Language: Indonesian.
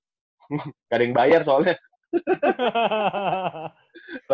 tidak ada yang bayar soalnya